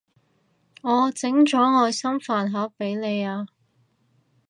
我整咗愛心飯盒畀你啊